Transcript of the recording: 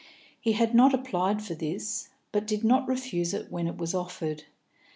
He had not applied for this, but did not refuse it when it was offered.